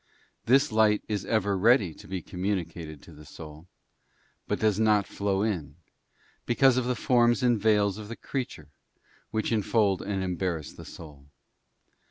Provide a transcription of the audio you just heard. This light is ever ready to be communicated to the soul, but does 'not flow in, because of the forms and veils of the creature which infold and embarrass the soul.